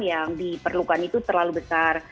yang diperlukan itu terlalu besar